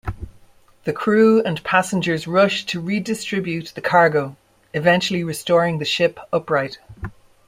The crew and passengers rush to redistribute the cargo, eventually restoring the ship upright.